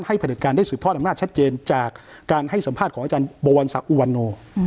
ผลิตการได้สืบทอดอำนาจชัดเจนจากการให้สัมภาษณ์ของอาจารย์บวรศักอุวันโน